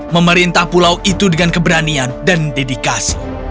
memerintah pulau itu dengan keberanian dan dedikasi